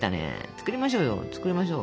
作りましょう。